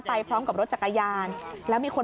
ป้าของน้องธันวาผู้ชมข่าวอ่อน